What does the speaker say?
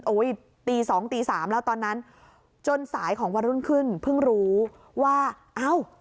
โอ้ยตี๒๓๐๐แล้วตอนนั้นจนสายของวันรุ่นขึ้นเพิ่งรู้ว่า